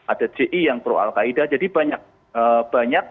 ada ji yang pro al qaeda jadi banyak